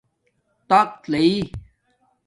تخت لئئ